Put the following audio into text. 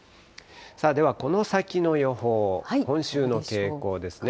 ではこの先の予報、今週の傾向ですね。